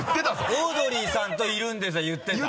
「オードリーさん」と「いるんです」は言ってた。